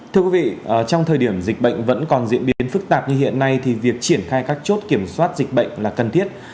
thưa quý vị trong thời điểm dịch bệnh vẫn còn diễn biến phức tạp như hiện nay thì việc triển khai các chốt kiểm soát dịch bệnh là cần thiết